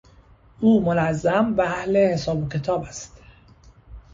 او منظم و اهل حساب و کتاب است.